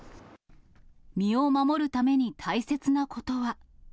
身を守るために大切なことは。